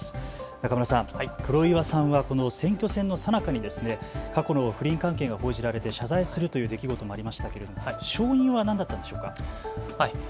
中村さん、黒岩さんはこの選挙戦のさなかに過去の不倫関係が報じられて謝罪するという出来事もありましたが勝因は何だったんでしょうか。